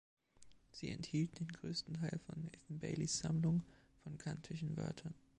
Sie enthielt den größten Teil von Nathan Baileys Sammlung von kantischen Wörtern.